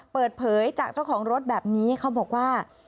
เปิดเผยจากเจ้าของรถแบบนี้เขาบอกว่า